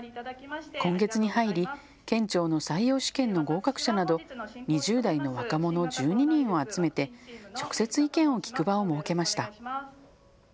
今月に入り、県庁の採用試験の合格者など２０代の若者１２人を集めて直接、意見を聞く場を設けました。